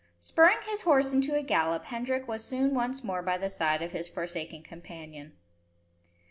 Spurring his horse into a gallop, Hendrik was soon once more by the side of his forsaken companion.